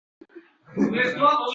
Nodir birmuncha og‘riqni unutardi.